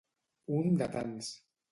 Un de tants.